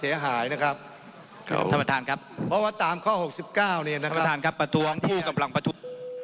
อีกครั้งนะครับ